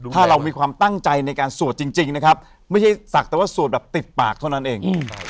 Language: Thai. ถ้าเรามีความตั้งใจในการสวดจริงนะครับไม่ใช่ศักดิ์แต่ว่าสวดแบบติดปากเท่านั้นเอง